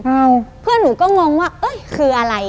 เพื่อนหนูก็งงว่าเอ้ยคืออะไร